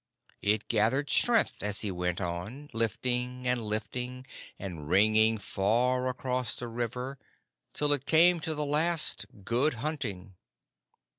It gathered strength as he went on, lifting and lifting, and ringing far across the river, till it came to the last "Good hunting!"